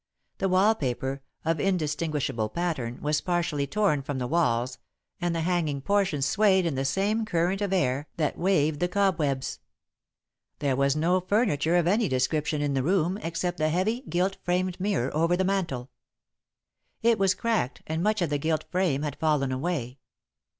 The wall paper, of indistinguishable pattern, was partially torn from the walls and the hanging portions swayed in the same current of air that waved the cobwebs. There was no furniture of any description in the room, except the heavy, gilt framed mirror over the mantel. It was cracked and much of the gilt frame had fallen away.